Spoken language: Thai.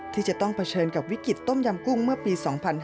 ที่จะต้องเผชิญกับวิกฤตต้มยำกุ้งเมื่อปี๒๕๕๙